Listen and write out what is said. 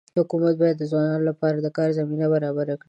حکومت باید د ځوانانو لپاره د کار زمینه برابره کړي.